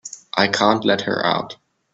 I can't let her out.